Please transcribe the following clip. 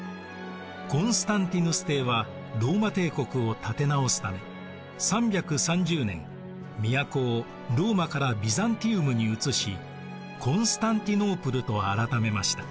コンスタンティヌス帝はローマ帝国を立て直すため３３０年都をローマからビザンティウムに移しコンスタンティノープルと改めました。